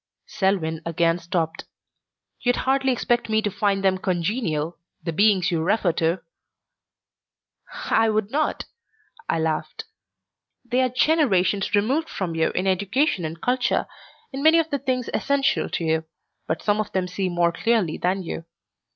Selwyn again stopped. "You'd hardly expect me to find them congenial the beings you refer to." "I would not." I laughed. "They are generations removed from you in education and culture, in many of the things essential to you, but some of them see more clearly than you.